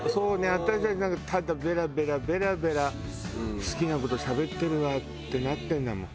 私たちなんかただベラベラベラベラ好きな事しゃべってるわってなってるんだもん。